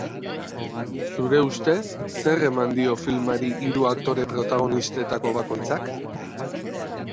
Zure ustez, zer eman dio filmari hiru aktore protagonistetako bakoitzak?